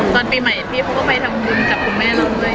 ตอนปีใหม่พี่เขาก็ไปทำบุญกับคุณแม่เราด้วย